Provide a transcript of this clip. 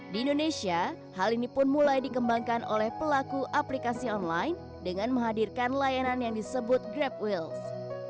di indonesia hal ini pun mulai dikembangkan oleh pelaku aplikasi online dengan menghadirkan layanan yang disebut grab wheels